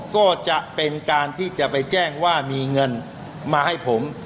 ก็จะเป็นการที่จะไปแจ้งว่ามีเงินมาให้ผม